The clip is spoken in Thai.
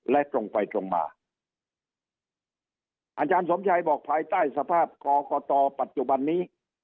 และตรงไปตรงมาอาจารย์สมชัยบอกภายใต้สภาพกตปัจจุบันนี้